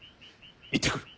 行ってくる。